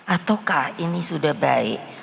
ataukah ini sudah baik